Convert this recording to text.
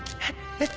えっ？